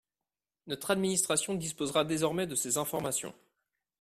Notre administration disposera désormais de ces informations.